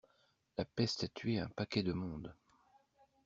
La peste a tué un paquet de monde.